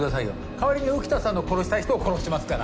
代わりに浮田さんの殺したい人を殺しますから。